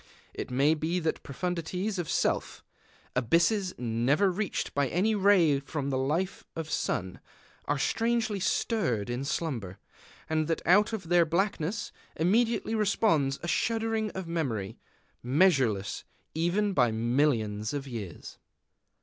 It may be that profundities of Self, abysses never reached by any ray from the life of sun, are strangely stirred in slumber, and that out of their blackness immediately responds a shuddering of memory, measureless even by millions of years.